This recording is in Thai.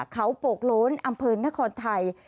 เขาโปกโล้นอำเภอนครไทย